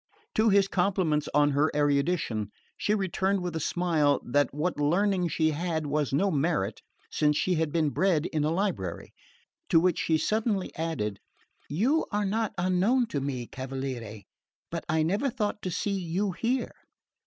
To his compliments on her erudition she returned with a smile that what learning she had was no merit, since she had been bred in a library; to which she suddenly added: "You are not unknown to me, Cavaliere; but I never thought to see you here."